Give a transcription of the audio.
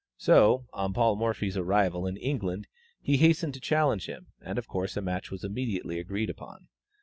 So, on Paul Morphy's arrival in England, he hastened to challenge him, and of course a match was immediately agreed upon.